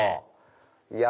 いや